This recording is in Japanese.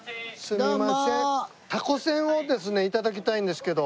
すみませんタコせんをですね頂きたいんですけど。